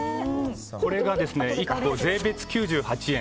これが１個、税別９８円